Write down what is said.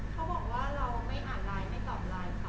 เขาบอกว่าเราไม่อ่านไลน์ไม่ตอบไลน์ค่ะ